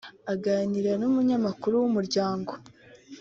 Aganira n’umunyamakuru w’Umuryango